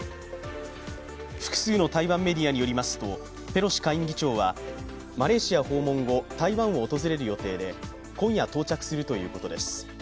複数の台湾メディアによりますと、ペロシ下院議長はマレーシア訪問後、台湾を訪れる予定で今夜、到着するということです。